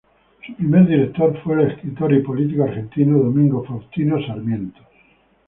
Su primer director fue el escritor y político argentino Domingo Faustino Sarmiento.